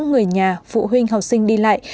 người nhà phụ huynh học sinh đi lại